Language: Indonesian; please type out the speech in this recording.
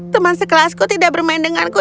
teman sekelasku tidak bermain denganku